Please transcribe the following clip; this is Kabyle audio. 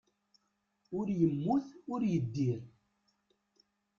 Ur yemmut, ur yeddir.